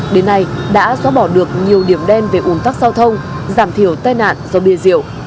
đến nay đã xóa bỏ được nhiều điểm đen về ủn tắc giao thông giảm thiểu tai nạn do bia rượu